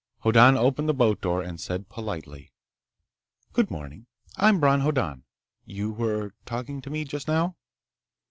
Hoddan opened the boat door and said politely: "Good morning. I'm Bron Hoddan. You were talking to me just now."